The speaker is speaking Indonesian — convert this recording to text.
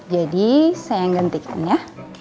jadi saya yang gantikan ya